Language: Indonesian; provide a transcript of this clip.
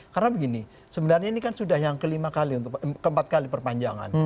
karena begini sebenarnya ini kan sudah yang kelima kali keempat kali perpanjangan